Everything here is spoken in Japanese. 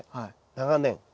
長年。